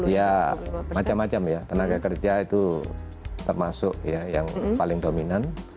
ya macam macam ya tenaga kerja itu termasuk ya yang paling dominan